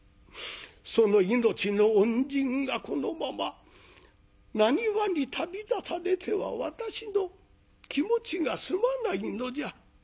その命の恩人がこのまま浪速に旅立たれては私の気持ちが済まないのじゃ。